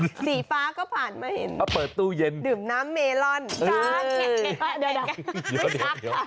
สีฟ้าก็ผ่านมาเห็นดื่มน้ำเมลอนจักรเดี๋ยว